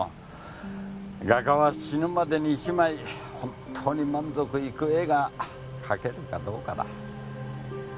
画家は死ぬまでに１枚本当に満足いく絵が描けるかどうかだ。